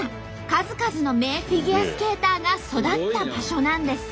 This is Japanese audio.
数々の名フィギュアスケーターが育った場所なんです。